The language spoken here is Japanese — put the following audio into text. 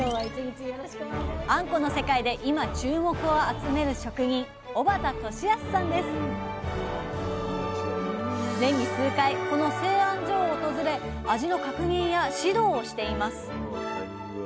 あんこの世界で今注目を集める職人年に数回この製あん所を訪れ味の確認や指導をしています。